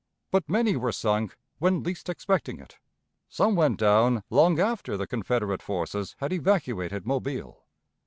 But many were sunk when least expecting it. Some went down long after the Confederate forces had evacuated Mobile.